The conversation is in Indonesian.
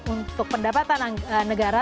untuk pendapatan negara